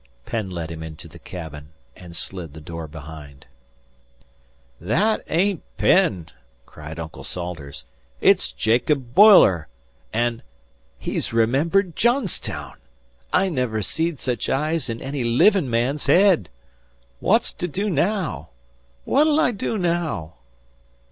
Penn led him into the cabin and slid the door behind. "That ain't Penn," cried Uncle Salters. "It's Jacob Boiler, an' he's remembered Johnstown! I never seed such eyes in any livin' man's head. What's to do naow? What'll I do naow?"